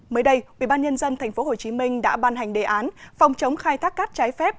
mới đây ubnd tp hcm đã ban hành đề án phòng chống khai thác cát trái phép